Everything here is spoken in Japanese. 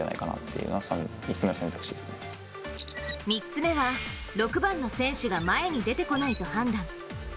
３つ目は、６番の選手が前に出てこないと判断。